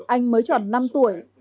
anh mới chọn năm tuổi